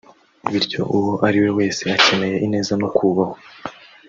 bityo uwo ari we wese akeneye ineza no kubahwa